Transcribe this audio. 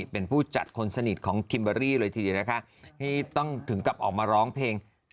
เป็นผู้จัดคนสนิทของคลิมเบอรี่ต้องถึงกลับกลับออกมาร้องเพลง